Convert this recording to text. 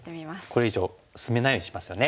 これ以上進めないようにしますよね。